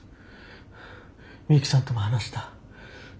ミユキさんとも話した。